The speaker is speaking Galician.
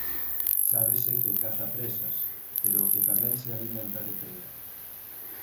Sábese que caza presas pero que tamén que se alimenta de prea.